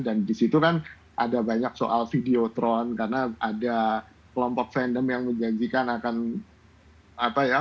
dan di situ kan ada banyak soal videotron karena ada kelompok fandom yang menjanjikan akan apa ya